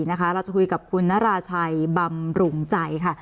เราจะคุยกับคุณนราชัยบำรุงใจค่ะ